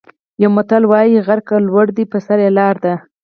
یو متل وايي: غر که لوړ دی په سر یې لاره ده.